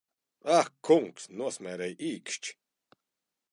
Ak kungs, nosmērēju īkšķi!